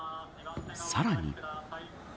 さらに。